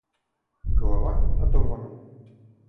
Голова оторвана.